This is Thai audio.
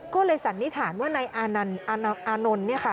ก็เลยสันนิษฐานว่านายอานนล